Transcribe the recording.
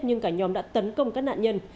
nhưng cả nhóm đã tấn công các nạn nhân